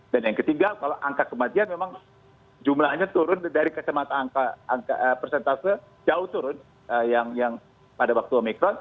dan yang ketinggalan kalau angka kematian memang jumlahnya turun dari kesempatan angka persentase jauh turun yang pada waktu omikron